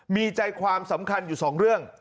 มีใจความสำคัญอยู่สองเรื่อง